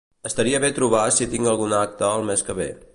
Estaria bé trobar si tinc algun acte el mes que ve.